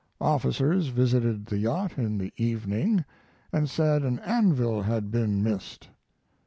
Officers visited the yacht in the evening & said an anvil had been missed.